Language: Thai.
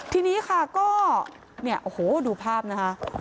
ทีนี้ค่ะก็โอ้โฮดูภาพนะคะ